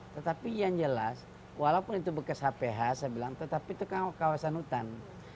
tetapi yang jelas walaupun itu bekas hph saya bilang tetapi itu kan kawasan hutan